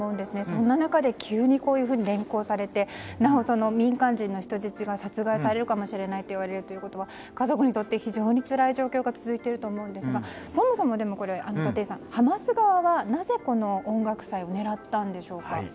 そんな中で急に連行されてなお民間人の人質が殺害されるかもしれないということは家族にとって非常につらい状況が続いていると思いますが、立石さんそもそもハマス側はなぜ、音楽祭を狙ったんでしょうか。